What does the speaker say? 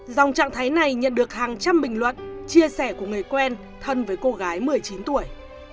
dòng trạng thái này nhận được hàng trăm bình luận chia sẻ của người quen thân với cô gái một mươi chín tuổi